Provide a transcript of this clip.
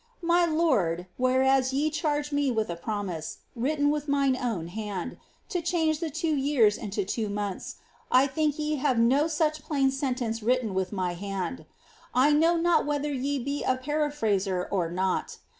My lonl, whereas ye charge me with a promise, written with mine owb hand, to change the two years into two months, I think ye have no such pUin sentence written with my band. I know not whether ye be a paraphraser oi not.